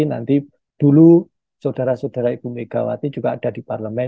nanti dulu saudara saudara ibu megawati juga ada di parlemen